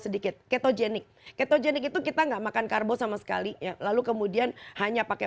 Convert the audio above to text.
sedikit ketogenik ketogenik itu kita enggak makan karbo sama sekali lalu kemudian hanya pakai